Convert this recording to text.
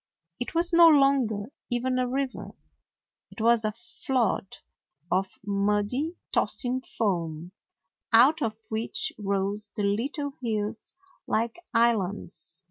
It was no longer even a river. It was a flood of muddy, toss 112 A NEW ZEALAND DOG ing foam, out of which rose the little hills like islands.